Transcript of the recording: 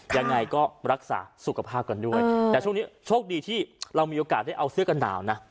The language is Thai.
ยังไงก็รักษาสุขภาพกันด้วยแต่ช่วงนี้โชคดีที่เรามีโอกาสได้เอาเสื้อกันหนาวนะ